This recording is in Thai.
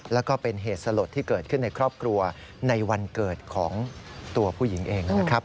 แล้วก็เป็นเหตุสลดที่เกิดขึ้นในครอบครัวในวันเกิดของตัวผู้หญิงเองนะครับ